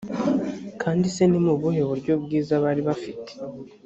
kandi se ni ubuhe buryo bwiza bari bafite?